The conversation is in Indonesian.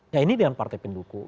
ya ini dengan partai pendukung